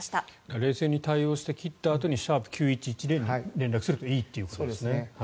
冷静に対応して切ったあとに「＃９１１０」に連絡するといいということですね。